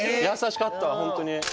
優しかった本当に。